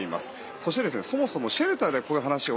そして、そもそもシェルターでこういう話を